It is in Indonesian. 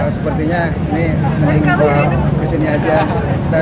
sepertinya ini menimpa disini aja